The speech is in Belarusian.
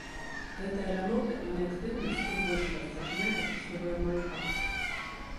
Гэтая лянота і неактыўнасць тым больш раздражняе, што вы амаль там.